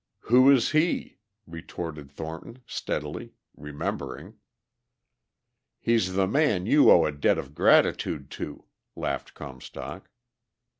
"Who is he?" retorted Thornton steadily ... remembering. "He's the man you owe a debt of gratitude to," laughed Comstock.